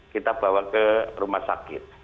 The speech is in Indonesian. kita bawa ke rumah sakit